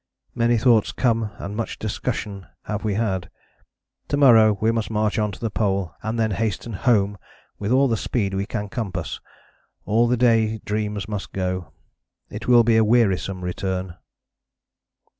Many thoughts come and much discussion have we had. To morrow we must march on to the Pole and then hasten home with all the speed we can compass. All the day dreams must go; it will be a wearisome return."